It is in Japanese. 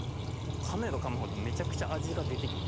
噛めば噛むほどめちゃくちゃ味が出て来ます。